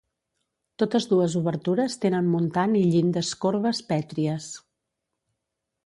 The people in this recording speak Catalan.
Totes dues obertures tenen muntant i llindes corbes pètries.